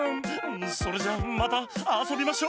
それじゃまたあそびましょ。